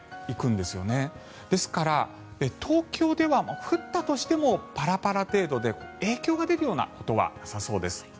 ですから、東京では降ったとしてもパラパラ程度で影響が出るようなことはなさそうです。